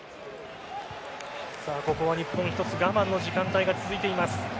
ここは日本一つ我慢の時間帯が続いています。